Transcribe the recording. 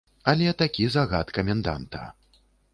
Але такі загад каменданта.